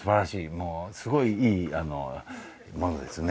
もうすごいいいものですね。